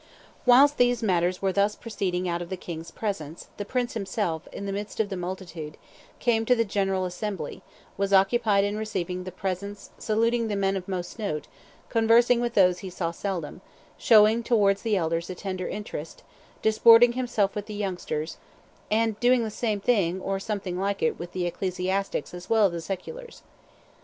"Whilst these matters were thus proceeding out of the king's presence, the prince himself, in the midst of the multitude, came to the general assembly, was occupied in receiving the presents, saluting the men of most note, conversing with those he saw seldom, showing towards the elders a tender interest, disporting himself with the youngsters, and doing the same thing, or something like it, with the ecclesiastics as well as the seculars.